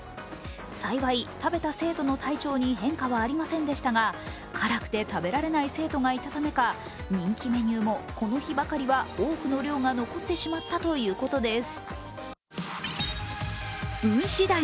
幸い、食べた生徒の体調に変化はありませんでしたが辛くて食べられない生徒がいたためか、人気メニューもこの日ばかりは、多くの量が残ってしまったということです。